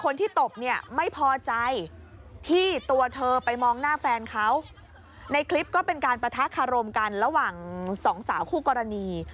ในคลิปก็เป็นการประทะคารมกันระหว่างสองสาวคู่กรณี